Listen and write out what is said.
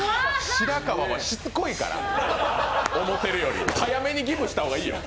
白川はしつこいから思ってるより、早めにギブした方がいいよ。